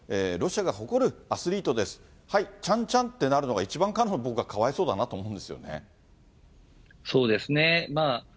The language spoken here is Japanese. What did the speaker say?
ロシアが誇るアスリートです、はい、ちゃんちゃんってなるのが一番彼女がかわいそうだなと思うんですそうですね。